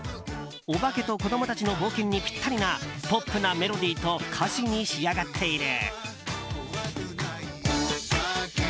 おばけと子供たちの冒険にピッタリなポップなメロディーと歌詞に仕上がっている。